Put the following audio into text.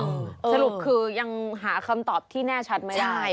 สรุปคือยังหาคำตอบที่แน่ชัดไม่ได้